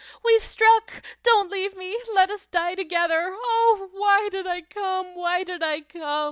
"We've struck! Don't leave me! Let us die together! Oh, why did I come? why did I come?"